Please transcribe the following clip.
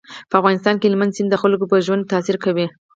په افغانستان کې هلمند سیند د خلکو په ژوند تاثیر کوي.